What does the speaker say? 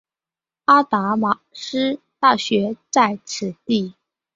阿达玛斯大学在此地。